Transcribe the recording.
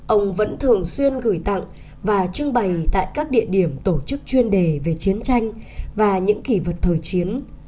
ông vẫn thường xuyên gửi tặng và trưng bày tại các địa điểm tổ chức chuyên đề về chiến tranh và những kỷ vật thời chiến